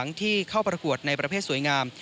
เป็นขบวนของอเภอฝางที่เข้าประกวดในประเภทสวยงาม